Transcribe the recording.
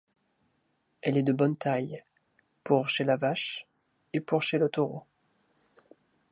Elle est de bonne taille, pour chez la vache et pour chez le taureau.